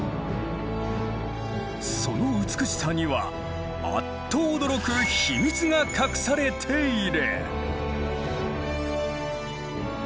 その美しさにはあっと驚く秘密が隠されている。